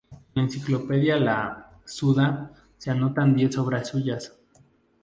En la enciclopedia la "Suda" se anotan diez obras suyas.